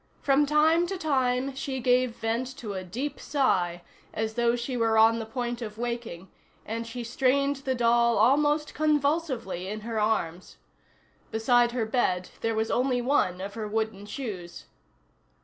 From time to time she gave vent to a deep sigh as though she were on the point of waking, and she strained the doll almost convulsively in her arms. Beside her bed there was only one of her wooden shoes.